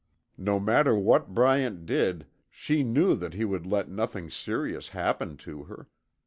No matter what Bryant did, she knew that he would let nothing serious happen to her.